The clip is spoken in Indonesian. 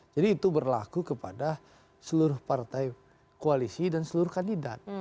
jadi itu berlaku kepada seluruh partai koalisi dan seluruh kandidat